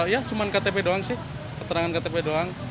ya cuma ktp doang sih keterangan ktp doang